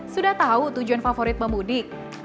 sudah tahu tujuan favorit pemudik